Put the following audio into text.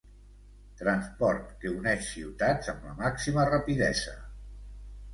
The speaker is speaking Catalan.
Transport que uneix ciutats amb la màxima rapidesa.